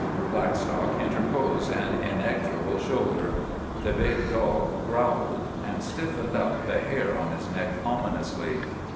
Blackstock interposed an inexorable shoulder. The big dog growled, and stiffened up the hair on his neck ominously.